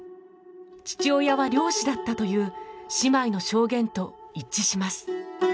父親は漁師だったという姉妹の証言と一致します。